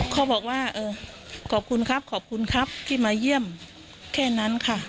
เขาบอกว่าเออขอบคุณครับขอบคุณครับที่มาเยี่ยมแค่นั้นค่ะ